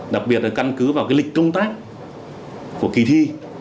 đặc biệt là căn cứ vào lịch công tác của kỳ thi